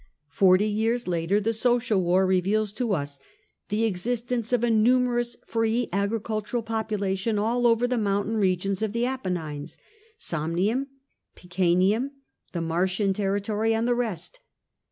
Forty years later the Social War reveals to us the existence of a numerous free agricultural population all over the moun tain regions of the Apennines — Samnium, Picenum, the Marsian territory, and the rest.